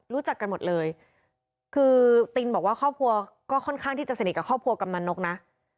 รู้จักกันหมดเลยคือตินบอกว่าครอบครัวก็ค่อนข้างที่จะสนิทกับครอบครัวกำนันนกนะ